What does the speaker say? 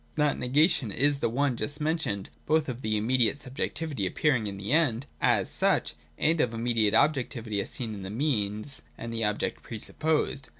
That negation is the one just mentioned both of the immediate subjectivity appearing in the End as such, and of the immediate objectivity as seen in the means and the objects pre supposed.